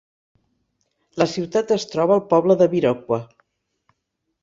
La ciutat es troba al poble de Viroqua.